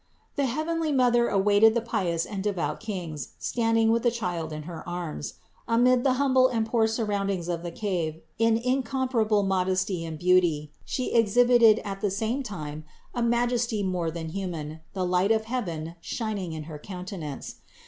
560. The heavenly Mother awaited the pious and de vout kings, standing with the Child in her arms. Amid the humble and poor surroundings of the cave, in incom parable modesty and beauty, she exhibited at the same time a majesty more than human, the light of heaven shining in her countenance.